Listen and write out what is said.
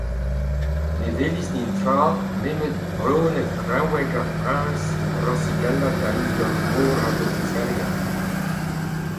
Ne welis netra nemet boned krevek ar priñs o vrañsigellat a-us d'ur morad ofiserien.